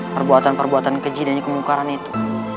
perbuatan perbuatan keji dan kemungkaran itu